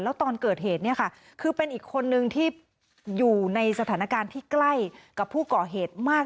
แล้วตอนเกิดเหตุเนี่ยค่ะคือเป็นอีกคนนึงที่อยู่ในสถานการณ์ที่ใกล้กับผู้ก่อเหตุมาก